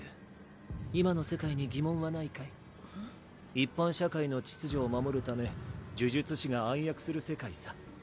一般社会の秩序を守るため呪術師が暗躍する世界さ。